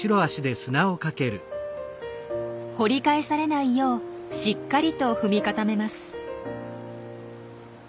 掘り返されないようしっかりと踏み固めます。